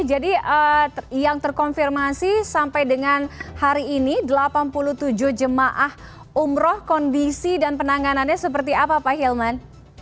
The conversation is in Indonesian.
jadi yang terkonfirmasi sampai dengan hari ini delapan puluh tujuh jemaah umroh kondisi dan penanganannya seperti apa pak hilman